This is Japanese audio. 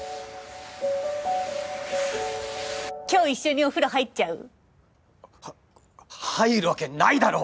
今日一緒にお風呂入っちゃう？は入るわけないだろ！